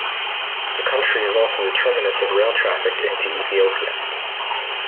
The country is also the terminus of rail traffic into Ethiopia.